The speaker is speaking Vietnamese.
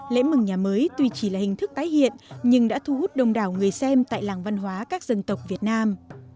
lễ mừng nhà mới tuy chỉ là hình thức tái hiện nhưng đã thu hút đông đảo người xem tại làng văn hóa các dân tộc việt nam